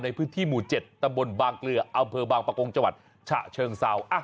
ในพื้นที่หมู่๗ตำบลบางเกลืออำเภอบางประกงจังหวัดฉะเชิงเซา